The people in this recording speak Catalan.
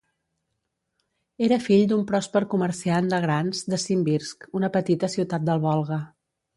Era fill d'un pròsper comerciant de grans de Simbirsk, una petita ciutat del Volga.